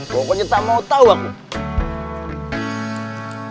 pokoknya tak mau tahu aku